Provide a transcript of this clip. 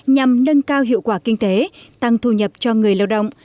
nhằm nâng cao hiệu quả kinh tế tăng thu nhập cho người lao động